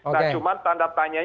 nah cuma tanda tanya